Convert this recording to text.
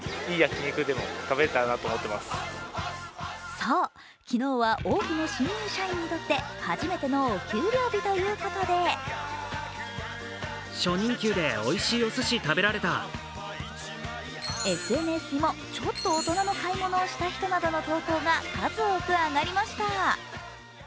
そう、昨日は多くの新入社員にとって初めてのお給料日ということでＳＮＳにも、ちょっと大人の買い物をした人などの投稿が数多く上がりました。